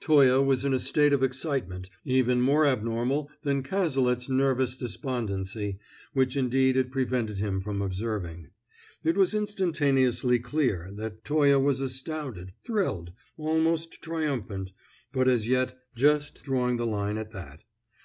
Toye was in a state of excitement even more abnormal than Cazalet's nervous despondency, which indeed it prevented him from observing. It was instantaneously clear that Toye was astounded, thrilled, almost triumphant, but as yet just drawing the line at that.